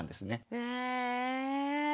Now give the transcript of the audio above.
へえ。